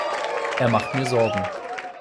Er macht mir Sorgen.